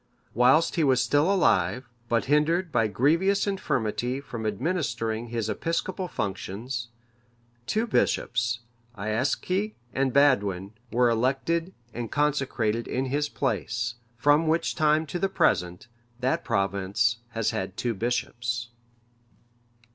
Whilst he was still alive, but hindered by grievous infirmity from administering his episcopal functions, two bishops, Aecci and Badwin, were elected and consecrated in his place; from which time to the present, that province has had two bishops.